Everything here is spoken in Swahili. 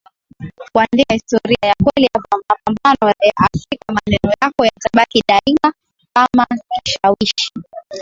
kuandika historia ya kweli ya mapambano ya Afrika maneno yako yatabaki daima kama kishawishi